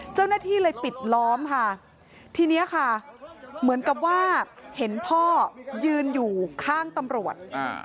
เจ้าหน้าที่เลยปิดล้อมค่ะทีนี้ค่ะเหมือนกับว่าเห็นพ่อยืนอยู่ข้างตำรวจ